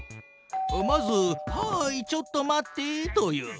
まず「はいちょっと待って」と言う。